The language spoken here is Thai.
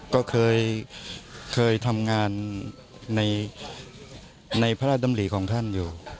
ก็เคยทำงานในพระราชดำรีของท่านอยู่